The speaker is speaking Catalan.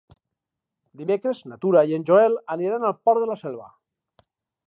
Dimecres na Tura i en Joel aniran al Port de la Selva.